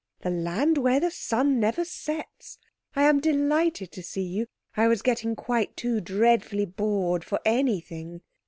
The land where the sun never sets! I am delighted to see you! I was getting quite too dreadfully bored for anything!"